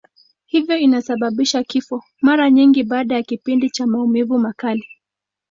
Hivyo inasababisha kifo, mara nyingi baada ya kipindi cha maumivu makali.